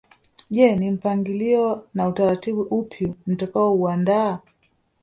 Je ni mpangilio na utaratibu upi mtakaouandaa